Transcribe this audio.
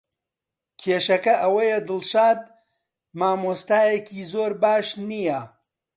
کێشەکە ئەوەیە دڵشاد مامۆستایەکی زۆر باش نییە.